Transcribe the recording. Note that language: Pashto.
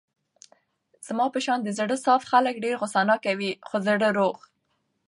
زما په شان د زړه صاف خلګ ډېر غوسه ناکه وي خو زړه روغ.